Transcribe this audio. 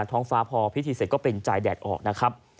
ท้องฟ้าพอพิธีเสร็จก็เป็นจ่ายแดดออกนะครับ